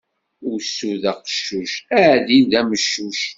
Usu d aqeccuc, aɛdil d ameccuc.